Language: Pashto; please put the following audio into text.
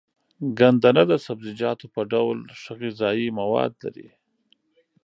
ګندنه د سبزيجاتو په ډول ښه غذايي مواد لري.